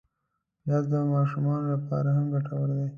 پیاز د ماشومانو له پاره هم ګټور دی